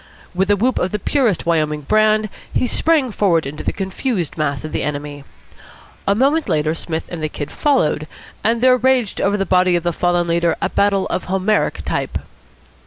With a whoop of the purest Wyoming brand, he sprang forward into the confused mass of the enemy. A moment later Psmith and the Kid followed, and there raged over the body of the fallen leader a battle of Homeric type.